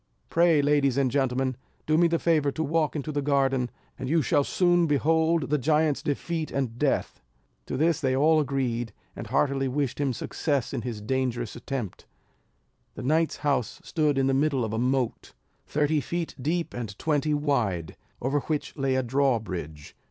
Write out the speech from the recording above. Pray, ladies and gentlemen, do me the favour to walk into the garden, and you shall soon behold the giant's defeat and death." To this they all agreed, and heartily wished him success in his dangerous attempt. The knight's house stood in the middle of a moat, thirty feet deep and twenty wide, over which lay a drawbridge.